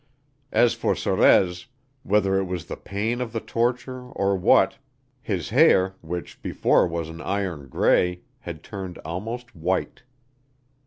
As for Sorez, whether it was the pain of the torture or what, his hair, which before was an iron gray, had turned almost white.